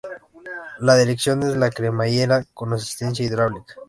La dirección es de cremallera con asistencia hidráulica.